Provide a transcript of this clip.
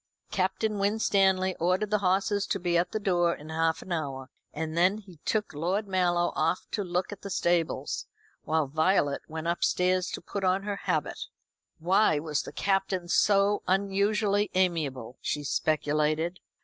Captain Winstanley ordered the horses to be at the door in half an hour: and then he took Lord Mallow off to look at the stables, while Violet went upstairs to put on her habit. Why was the Captain so unusually amiable? she speculated.